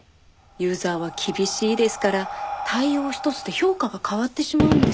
ユーザーは厳しいですから対応ひとつで評価が変わってしまうんです。